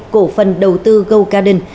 cổ phần đầu tư gogarden